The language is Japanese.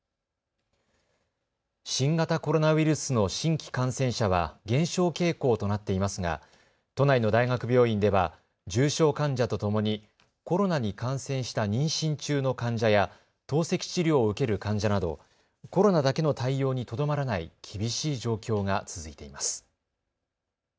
新型コロナウイルスの新規感染者は減少傾向となっていますが都内の大学病院では重症患者とともにコロナに感染した妊娠中の患者や透析治療を受ける患者などコロナだけの対応にとどまらない厳しい状況が続いています。